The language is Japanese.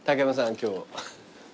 今日。